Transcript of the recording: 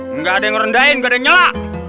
enggak ada yang rendahin enggak ada yang nyela